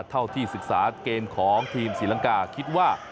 เท่าที่ศึกษาเกณฑ์ของทีมศรีลังกาคิดว่า